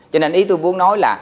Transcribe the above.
cho nên ý tôi muốn nói là